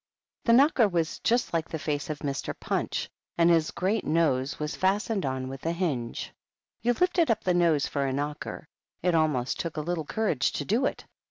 The knocker was just like the face of Mr. Punch, and his great nose was fastened on with a hinge. You lifted up the nose for a knocker ; it almost took a little courage to do it.